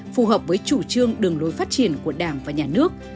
phù hợp với chủ trương đường lối phát triển của đảng và nhà nước